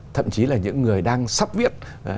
thậm chí là những người đang sắp viết